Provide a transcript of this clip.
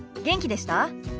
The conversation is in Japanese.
元気でした？